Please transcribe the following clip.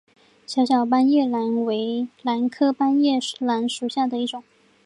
小小斑叶兰为兰科斑叶兰属下的一个种。